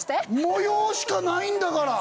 模様しかないんだから！